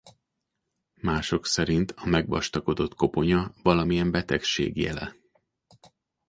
Mások szerint a megvastagodott koponya valamilyen betegség jele.